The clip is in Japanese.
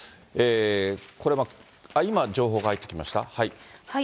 これは、あっ、今情報入ってきました。